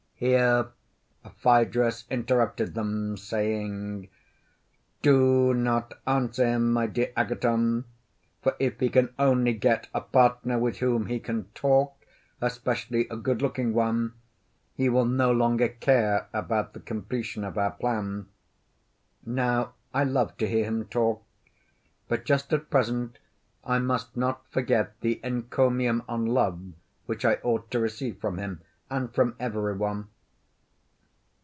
Here Phaedrus interrupted them, saying: not answer him, my dear Agathon; for if he can only get a partner with whom he can talk, especially a good looking one, he will no longer care about the completion of our plan. Now I love to hear him talk; but just at present I must not forget the encomium on Love which I ought to receive from him and from every one.